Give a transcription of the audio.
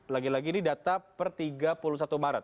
lagi lagi ini data per tiga puluh satu maret